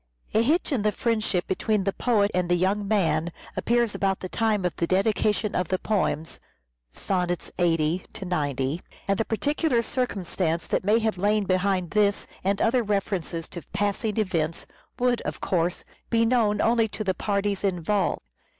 A hitch in the friendship between the poet and the young man appears about the time of the dedication of the poems (sonnets 80 90), and the particular circumstances that may have lain behind this and other references to passing events, would, of course, be known only to the parties involved.